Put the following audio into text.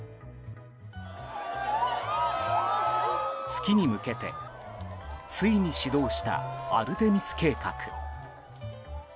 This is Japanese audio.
月に向けてついに始動したアルテミス計画。